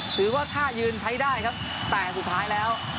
ซึ่งว่าถ้ายืนไทท์ได้ครับแต่สุดท้ายแล้ว